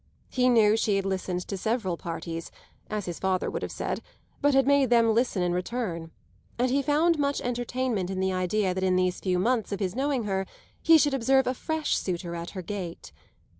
He knew she had listened to several parties, as his father would have said, but had made them listen in return; and he found much entertainment in the idea that in these few months of his knowing her he should observe a fresh suitor at her gate.